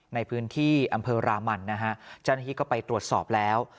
ในพื้นที่อำเภอรามันนะฮะเจ้าหน้าที่ก็ไปตรวจสอบแล้ว